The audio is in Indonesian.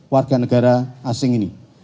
warga negara asing ini